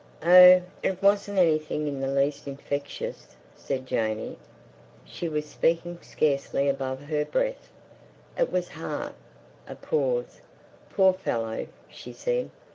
"Oh, it wasn't anything in the least infectious!" said Janey. She was speaking scarcely above her breath. "It was heart." A pause. "Poor fellow!" she said.